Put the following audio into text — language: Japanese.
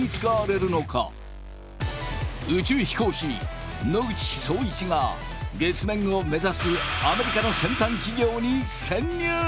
宇宙飛行士野口聡一が月面を目指すアメリカの先端企業に潜入！